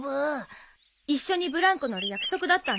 一緒にブランコ乗る約束だったんでしょ。